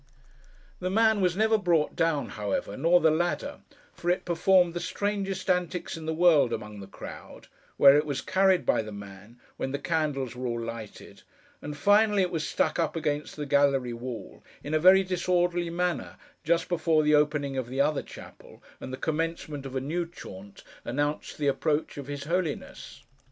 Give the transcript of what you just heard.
The man was never brought down, however, nor the ladder; for it performed the strangest antics in the world among the crowd—where it was carried by the man, when the candles were all lighted; and finally it was stuck up against the gallery wall, in a very disorderly manner, just before the opening of the other chapel, and the commencement of a new chaunt, announced the approach of his Holiness.